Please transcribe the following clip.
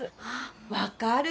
分かる！